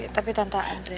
tapi tante adriana